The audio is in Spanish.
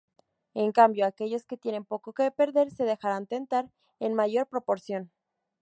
En cambio, aquellos que tienen poco que perder se dejarán tentar en mayor proporción.